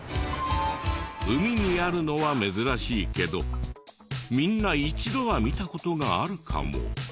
海にあるのは珍しいけどみんな一度は見た事があるかも。